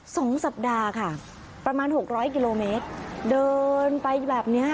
สองสัปดาห์ค่ะประมาณหกร้อยกิโลเมตรเดินไปแบบเนี้ย